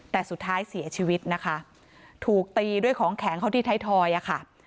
แต่สุดท้ายเสียชีวิตนะคะถูกตีด้วยของแข็งเข้าที่ไทยทอยอะค่ะ